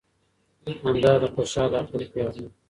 همدا د خوشال اخري پیغام و